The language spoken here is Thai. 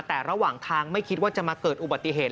แต่ระหว่างทางไม่คิดว่าจะมาเกิดอุบัติเหตุ